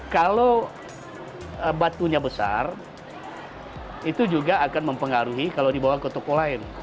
kalau batunya besar itu juga akan mempengaruhi kalau dibawa ke toko lain